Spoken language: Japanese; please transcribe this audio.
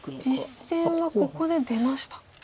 実戦はここで出ました。